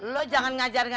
lo jangan ngajarin dia